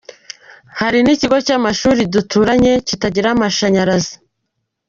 Hari n’ikigo cy’amashuri duturanye kitagira mashanyarazi”.